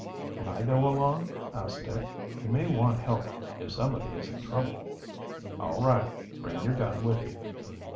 "Can I go along?" asked Dick. "You may want help if somebody is in trouble." "All right. Bring your gun with you."